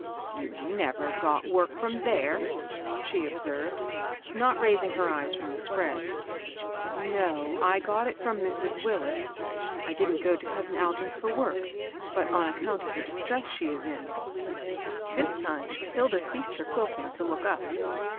"You never got work from there," she ob served, not raising her eyes from the spread. *' No ; I got it from Mrs. Willis. I didn't go to cousin Algin's for work, but on account of the dis tress she is in." This time, Hilda ceased her quilting to look up.